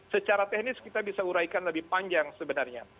secara teknis kita bisa uraikan lebih panjang sebenarnya